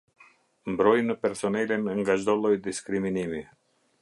Mbrojnë personelin nga çdo lloj diskriminimi.